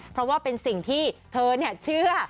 เพราะว่าเป็นสิ่งที่เธอเชื่อ